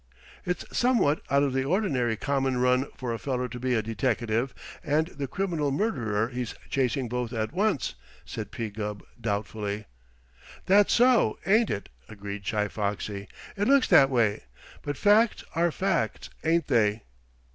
"It's somewhat out of the ordinary common run for a feller to be a deteckative and the criminal murderer he's chasing both at once," said P. Gubb doubtfully. "That's so, ain't it?" agreed Chi Foxy. "It looks that way. But facts are facts, ain't they?"